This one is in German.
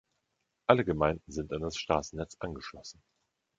Alle Gemeinden sind an das Straßennetz angeschlossen.